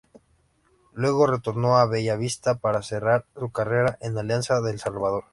Luego retornó a Bella Vista, para cerrar su carrera en Alianza de El Salvador.